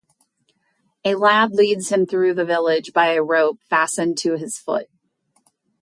A lad leads him through the village by a rope fastened to his foot.